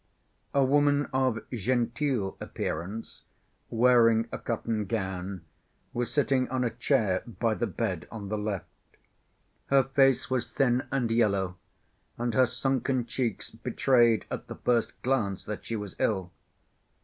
A woman of genteel appearance, wearing a cotton gown, was sitting on a chair by the bed on the left. Her face was thin and yellow, and her sunken cheeks betrayed at the first glance that she was ill.